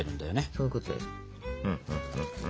そういうことです。